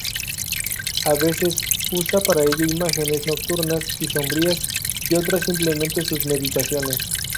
A veces usa para ello imágenes nocturnas y sombrías y otras simplemente sus meditaciones.